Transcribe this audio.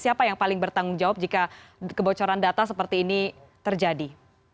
siapa yang paling bertanggung jawab jika kebocoran data seperti ini terjadi